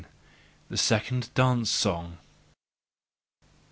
THE SECOND DANCE SONG.